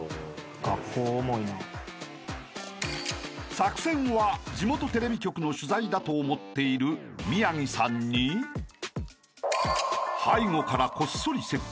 ［作戦は地元テレビ局の取材だと思っている宮城さんに背後からこっそり接近］